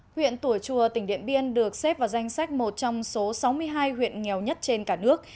huyện tùa chùa tỉnh điện biên được xếp vào danh sách một trong số sáu mươi hai huyện nghèo nhất trên cả nước